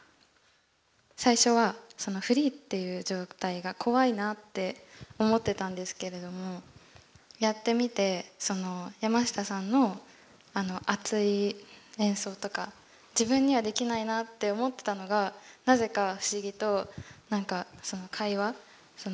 最初はフリーっていう状態が怖いなって思ってたんですけれどもやってみて山下さんの熱い演奏とか自分にはできないなって思ってたのがなぜか不思議となんかその会話？